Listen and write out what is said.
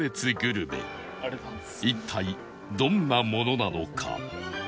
一体どんなものなのか？